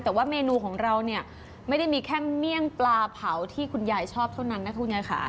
แต่ว่าเมนูของเราเนี่ยไม่ได้มีแค่เมี่ยงปลาเผาที่คุณยายชอบเท่านั้นนะคุณยายค่ะ